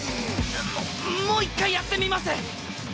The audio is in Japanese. ももう一回やってみます。